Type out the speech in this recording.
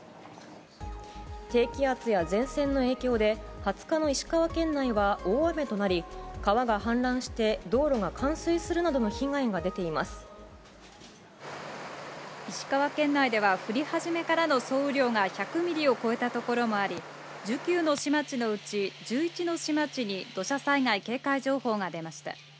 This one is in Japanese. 低気圧や前線の影響で、２０日の石川県内は大雨となり、川が氾濫して道路が冠水するなど石川県内では、降り始めからの総雨量が１００ミリを超えた所もあり、１９の市町のうち、１１の市町に土砂災害警戒情報が出ました。